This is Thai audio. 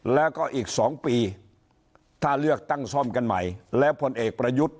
แล้วก็อีก๒ปีถ้าเลือกตั้งซ่อมกันใหม่แล้วผลเอกประยุทธ์